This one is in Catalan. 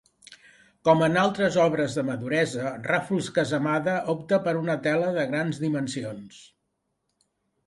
Com en altres obres de maduresa, Ràfols-Casamada opta per una tela de grans dimensions.